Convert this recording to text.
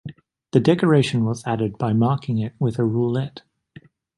The decoration was added by marking it with a roulette.